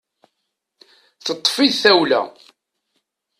Teṭṭefi-t tawla.